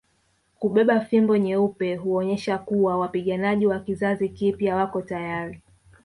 Kubeba fimbo nyeupe huonyesha kuwa wapiganaji wa kizazi kipya wako tayari